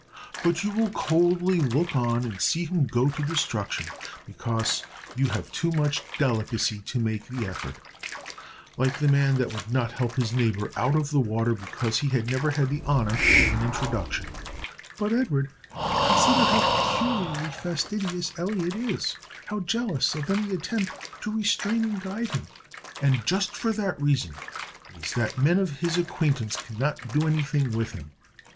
But you will coldly look on and see him go to destruction, because you have too much delicacy to make the effort like the man that would not help his neighbor out of the water because he had never had the honor of an introduction." "But, Edward, consider how peculiarly fastidious Elliot is how jealous of any attempt to restrain and guide him." "And just for that reason it is that men of his acquaintance cannot do any thing with him.